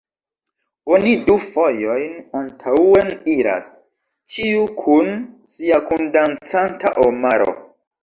Oni du fojojn antaŭen iras, ĉiu kun sia kundancanta omaro.